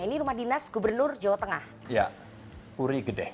ini rumah dinas gubernur jawa tengah